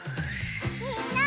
みんな！